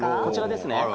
こちらですね。